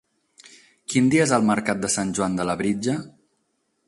Quin dia és el mercat de Sant Joan de Labritja?